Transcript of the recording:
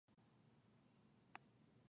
خپلو کې یې سرحدونه وټاکل.